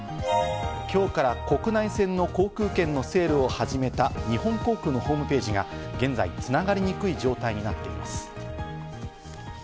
今日から国内線の航空券のセールを始めた日本航空のホームページが現在、繋がりにくい状態になっています。